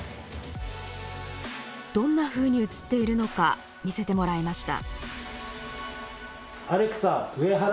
どんなふうに映っているのか見せてもらいました。